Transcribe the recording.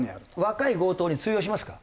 若い強盗に通用しますか？